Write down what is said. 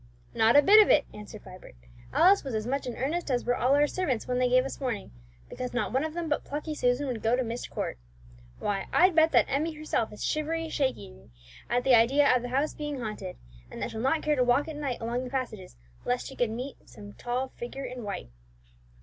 "Not a bit of it," answered Vibert; "Alice was as much in earnest as were all our servants when they gave us warning, because not one of them but plucky Susan would go to Myst Court. Why, I'd bet that Emmie herself is shivery shakery at the idea of the house being haunted, and that she'll not care to walk at night along the passages lest she should meet some tall figure in white."